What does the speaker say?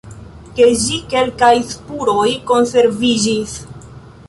De ĝi kelkaj spuroj konserviĝis.